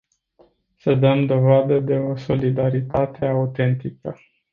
Să dăm dovadă de o solidaritate autentică.